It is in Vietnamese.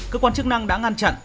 cơ quan chức năng đã ngăn chặn